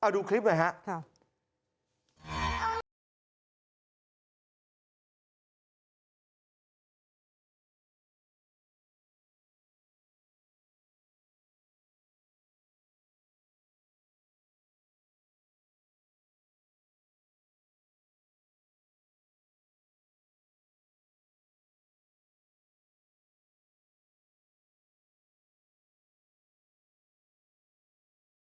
เอาดูคลิปหน่อยครับ